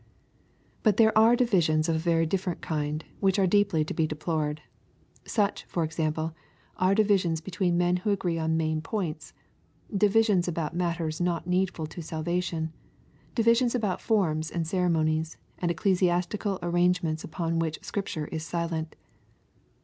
_ But there are divisions of a very different kind, which are deeply to be deplored. Such, for example, are divi sions between men who agree on main points, — divisions about matters not needful to salvation, — divisions about forms and ceremonies, and ecclesiastical arrangements upon which Scripture is silent.